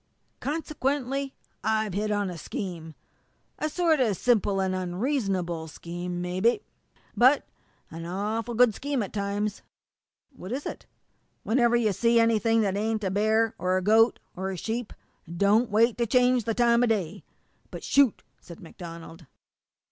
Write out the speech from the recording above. Consequently, I've hit on a scheme a sort of simple and unreasonable scheme, mebby, but an awful good scheme at times." "What is it?" "Whenever you see anything that ain't a bear, or a goat, or a sheep, don't wait to change the time o' day but shoot!" said MacDonald.